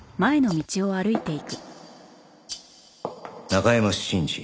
中山信二。